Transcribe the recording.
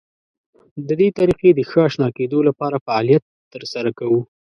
د دې طریقې د ښه اشنا کېدو لپاره فعالیت تر سره کوو.